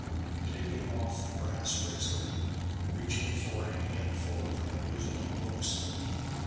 "Phew!" taking off the brass bracelets and reaching for a handful of the Venusian books.